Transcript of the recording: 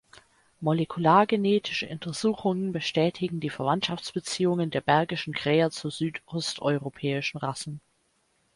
Molekulargenetische Untersuchungen bestätigen die Verwandtschaftsbeziehungen der Bergischen Kräher zu südosteuropäischen Rassen.